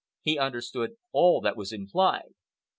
He understood all that was implied.